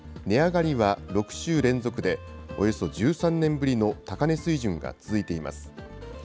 値上がりは６週連続で、およそ１３年ぶりの高値水準が続いています。